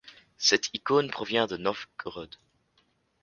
Cette icône provient de Novgorod.